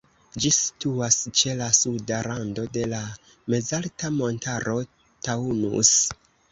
Ĝi situas ĉe la suda rando de la mezalta montaro Taunus.